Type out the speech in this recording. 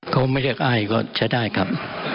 ก็ไม่เรียกอ้ายก็จะได้ครับ